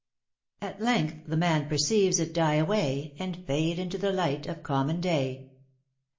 * At length the man perceives it die away And fade into the light of common day.